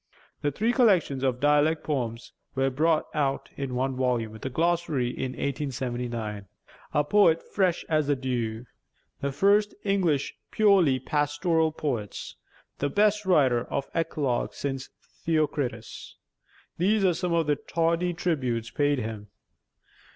The three collections of dialect poems were brought out in one volume, with a glossary, in 1879. "A poet fresh as the dew," "The first of English purely pastoral poets," "The best writer of eclogues since Theocritus," these are some of the tardy tributes paid him.